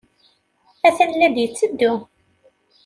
Atan la d-yetteddu.